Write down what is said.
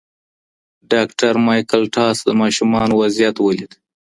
ډاکټر مایکل ټاس د ماشومانو وضعیت ولید.